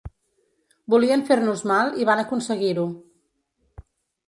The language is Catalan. Volien fer-nos mal i van aconseguir-ho.